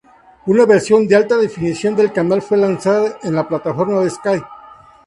Una versión de alta definición del canal fue lanzada en la plataforma Sky.